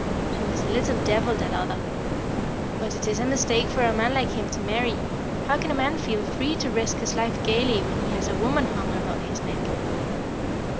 She was a little devil, that other. But it is a mistake for a man like him to marry. How can a man feel free to risk his life gayly when he has a woman hung about his neck?"